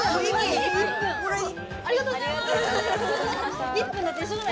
ありがとうございます